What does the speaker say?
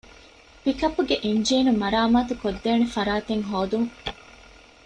ޕިކަޕްގެ އިންޖީނު މަރާމާތު ކޮށްދޭނެ ފަރާތެއް ހޯދުން